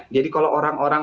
jadi kalau orang orang